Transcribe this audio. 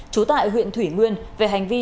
trú tại huyện thủy nguyên về hành vi